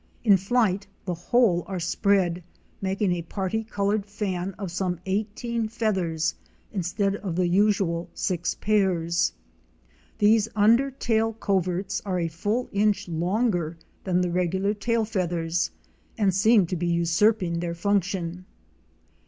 In flight the whole are spread, making a parti colored fan of some eighteen feathers instead of the usual six pairs. These under tail coverts are a full inch longer than the regular tail feathers and seem to be usurping their function.